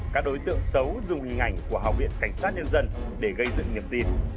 các đối tượng xấu dùng hình ảnh của học viện cảnh sát nhân dân để gây dựng nghiệp tin